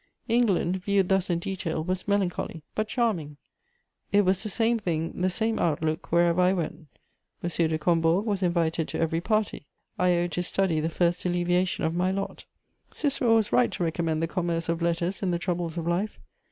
England, viewed thus in detail, was melancholy, but charming; it was the same thing, the same outlook wherever I went. M. de Combourg was invited to every party. I owed to study the first alleviation of my lot. Cicero was right to recommend the commerce of letters in the troubles of life.